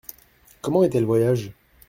Comment était le voyage ?